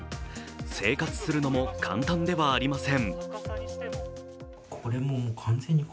生活するのも簡単ではありません。